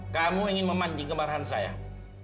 kamu ingin memancing kemarahan sayang